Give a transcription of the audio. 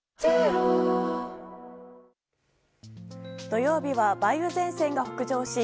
土曜日は梅雨前線が北上し